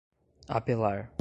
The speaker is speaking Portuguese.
apelar